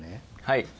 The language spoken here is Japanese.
はい。